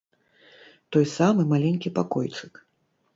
Той самы маленькі пакойчык.